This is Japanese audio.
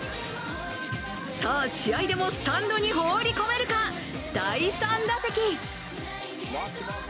さあ試合でもスタンドに放り込めるか、第３打席。